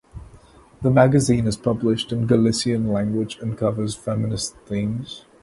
The magazine is published in Galician language and covers feminist themes.